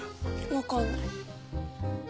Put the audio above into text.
わかんない。